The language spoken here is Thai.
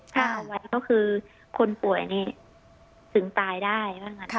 แล้วก็คือคนป่วยถึงตายได้